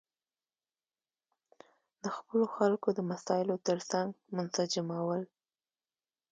د خپلو خلکو د مسایلو ترڅنګ منسجمول.